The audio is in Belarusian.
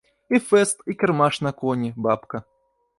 І фэст, і кірмаш на коні, бабка.